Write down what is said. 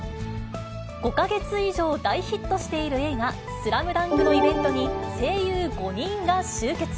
５か月以上大ヒットしている映画、ＳＬＡＭＤＵＮＫのイベントに、声優５人が集結。